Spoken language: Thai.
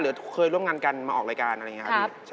เคยร่วมงานกันมาออกรายการอะไรอย่างนี้ครับพี่